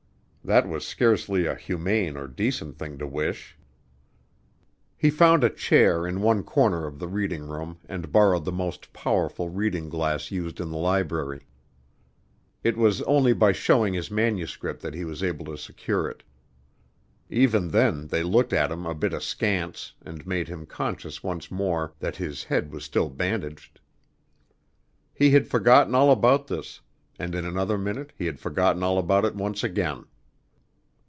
That was scarcely a humane or decent thing to wish. He found a chair in one corner of the reading room and borrowed the most powerful reading glass used in the library. It was only by showing his manuscript that he was able to secure it. Even then they looked at him a bit askance, and made him conscious once more that his head was still bandaged. He had forgotten all about this, and in another minute he had forgotten all about it once again.